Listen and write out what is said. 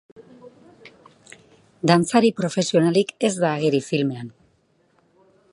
Dantzari profesionalik ez da ageri filmean.